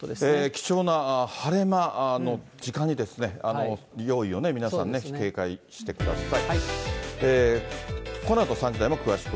貴重な晴れ間の時間に、用意をね、皆さんね、警戒してください。